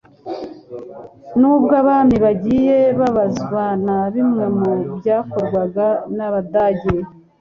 N'ubwo ibwami bagiye bababazwa na bimwe mu byakorwaga n'Abadage